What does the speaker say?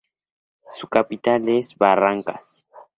Su capital es Barrancas.